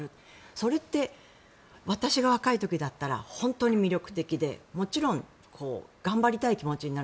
それって私が若い時だったら本当に魅力的でもちろん頑張りたい気持ちになる。